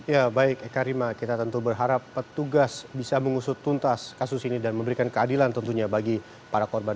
ya baik eka rima kita tentu berharap petugas bisa mengusut tuntas kasus ini dan memberikan keadilan tentunya bagi para korban